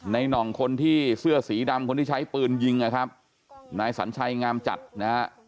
หน่องคนที่เสื้อสีดำคนที่ใช้ปืนยิงนะครับนายสัญชัยงามจัดนะฮะ